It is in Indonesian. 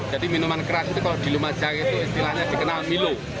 jadi minuman keras itu kalau di lumajang itu istilahnya dikenal milu